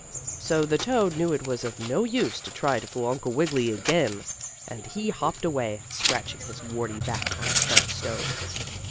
So the toad knew it was of no use to try to fool Uncle Wiggily again, and he hopped away, scratching his warty back on a sharp stone.